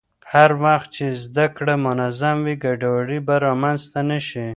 هر وخت چې زده کړه منظم وي، ګډوډي به رامنځته نه شي.